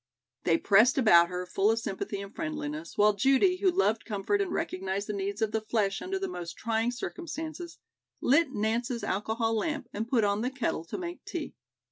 They pressed about her, full of sympathy and friendliness, while Judy, who loved comfort and recognized the needs of the flesh under the most trying circumstances, lit Nance's alcohol lamp and put on the kettle to make tea.